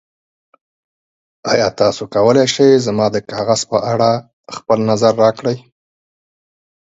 ایا تاسو کولی شئ زما د کاغذ په اړه خپل نظر راکړئ؟